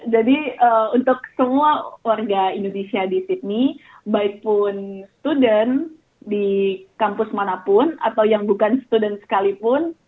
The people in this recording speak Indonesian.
jadi untuk semua warga indonesia di sydney baikpun student di kampus manapun atau yang bukan student sekalipun